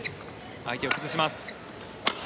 相手を崩します。